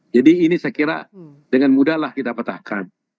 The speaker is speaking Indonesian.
jadi ini saya kira dengan mudah lah kita patahkan